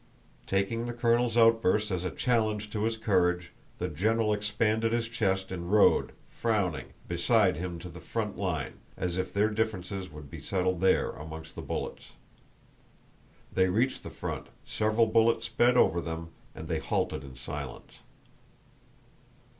Taking the colonel's outburst as a challenge to his courage, the general expanded his chest and rode, frowning, beside him to the front line, as if their differences would be settled there amongst the bullets. They reached the front, several bullets sped over them, and they halted in silence.